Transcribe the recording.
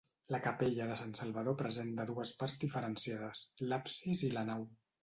La capella de Sant Salvador presenta dues parts diferenciades: l'absis i la nau.